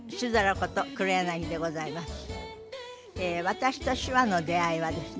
私と手話の出会いはですね